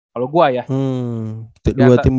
kalau kedua tim lu ya